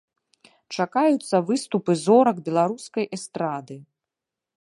Чакаюцца выступы зорак беларускай эстрады.